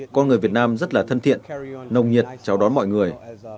con người việt nam rất là thân thiện nồng nhiệt chào đón mọi người